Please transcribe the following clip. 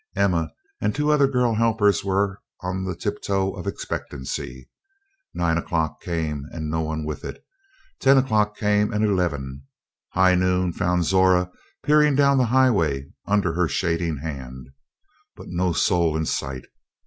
Emma and two other girl helpers were on the tip toe of expectancy. Nine o'clock came and no one with it. Ten o'clock came, and eleven. High noon found Zora peering down the highway under her shading hand, but no soul in sight.